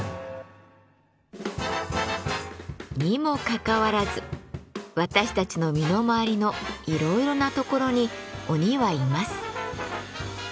にもかかわらず私たちの身の回りのいろいろなところに鬼はいます。